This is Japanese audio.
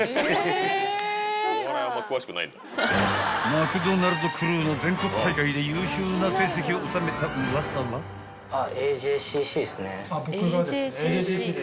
［マクドナルドクルーの全国大会で優秀な成績を収めたウワサは？］